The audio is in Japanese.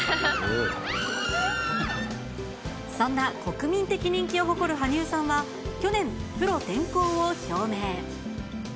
そんな国民的人気を誇る羽生さんが、去年、プロ転向を表明。